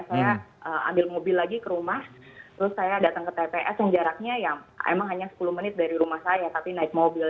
saya ambil mobil lagi ke rumah terus saya datang ke tps yang jaraknya ya emang hanya sepuluh menit dari rumah saya tapi naik mobil